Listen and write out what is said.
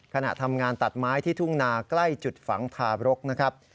ขณะทำงานตัดไม้ที่ทุ่งนาใกล้จุดฝังทาบรกนะครับ